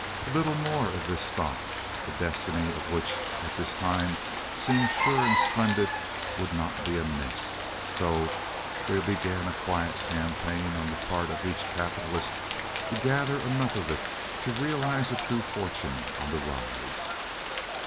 A little more of this stock—the destiny of which at this time seemed sure and splendid—would not be amiss. And so there began a quiet campaign on the part of each capitalist to gather enough of it to realize a true fortune on the rise.